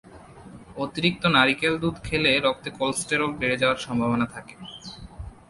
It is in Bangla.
অতিরিক্ত নারিকেল দুধ খেলে রক্তে কোলেস্টেরল বেড়ে যাওয়ার সম্ভাবনা থাকে।